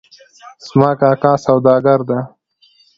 زما کاکا سوداګر ده